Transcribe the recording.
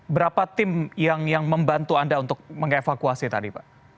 berapa tim yang membantu anda untuk mengevakuasi